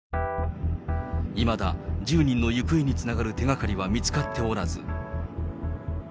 いまだ１０人の行方につながる手掛かりは見つかっておらず。